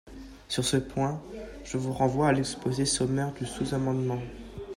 Sur ce point, je vous renvoie à l’exposé sommaire du sous-amendement.